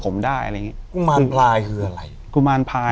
อยู่ที่แม่ศรีวิรัยิลครับ